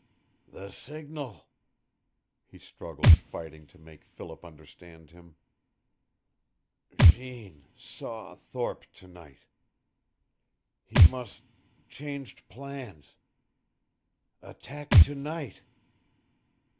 "The signal!" he struggled, fighting to make Philip understand him. "Jeanne saw Thorpe to night. He must changed plans. Attack to night.